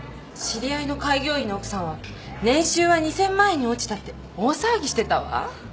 知り合いの開業医の奥さんは年収は２，０００万円に落ちたって大騒ぎしてたわ。